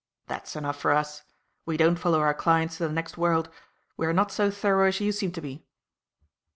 That's enough for us. We don't follow our clients to the next world. We are not so thorough as you seem to be."